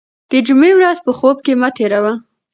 د جمعې ورځ په خوب کې مه تېروه.